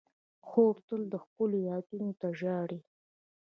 خور تل خپلو یادونو ته ژاړي.